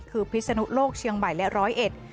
คือพิศนุโลกเชียงใหม่และร้อยเอ็ด